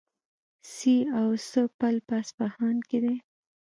سي او سه پل په اصفهان کې دی.